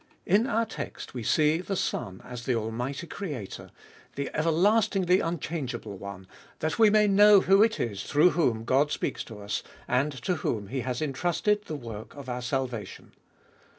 In our text we see the Son as the Almighty Creator, the everlastingly unchange «o Cbe Ibolicst of ail able One, that we may know who it is through whom God speaks to us, and to whom He has intrusted the work of our salvation.